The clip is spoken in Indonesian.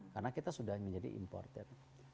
karena kita sudah menjadi imported